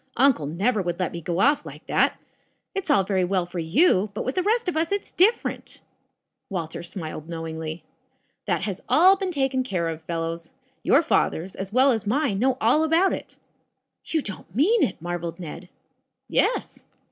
"Uncle never would let me go off like that. It's all very well for you, but with the rest of us it's different." Walter smiled knowingly. "That has all been taken care of, fellows. Tour fathers, as well as mine, know all about it." "You don't mean it?" marveled Ned. "Yes."